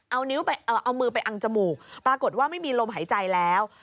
เอามือไปอังจมูกปรากฏว่าไม่มีลมหายใจแล้ว